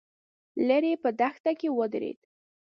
ليرې په دښته کې ودرېد.